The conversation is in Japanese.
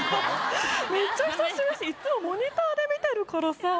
めっちゃ久しぶりいつもモニターで見てるからさ。